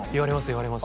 言われます